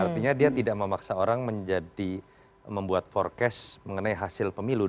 artinya dia tidak memaksa orang menjadi membuat forecast mengenai hasil pemilu dua ribu dua puluh